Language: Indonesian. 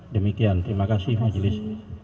demikian terima kasih majelis